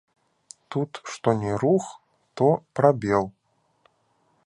Тут што ні рух, то прабел.